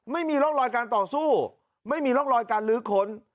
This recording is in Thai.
ไม่มีร่องรอยการต่อสู้ไม่มีร่องรอยการลื้อค้น